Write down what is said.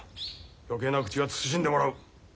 余計な口は慎んでもらう。